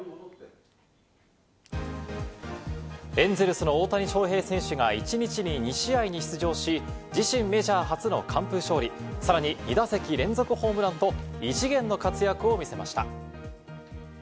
エンゼルスの大谷翔平選手が１日に２試合に出場し、自身メジャー初の完封勝利、さらに２打席連続ホームランと、異次元の活躍を見せました。